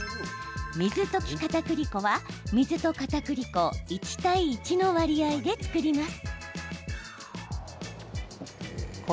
水溶きかたくり粉は水と、かたくり粉を１対１の割合で作ります。